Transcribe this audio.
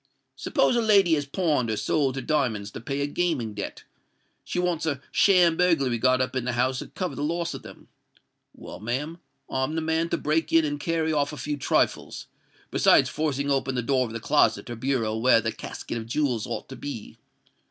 Suppose a lady has pawned or sold her diamonds to pay a gaming debt, she wants a sham burglary got up in the house to cover the loss of them: well, ma'am, I'm the man to break in and carry off a few trifles, besides forcing open the door of the closet or bureau where the casket of jewels ought to be.